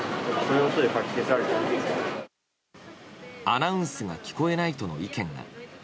アナウンスが聞こえないとの意見も。